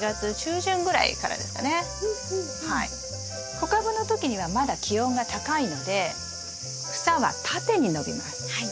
小株の時にはまだ気温が高いので草は縦に伸びますはい。